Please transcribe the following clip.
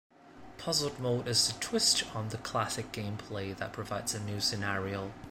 Puzzle Mode is a twist on the classic gameplay that provides a new scenario.